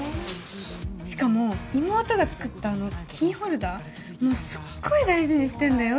しかも妹が作ったあのキーホルダーもうすっごい大事にしてんだよ